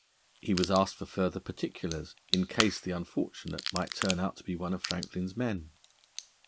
He was asked for further particulars, in case the unfortunate might turn out to be one of Franklin's men.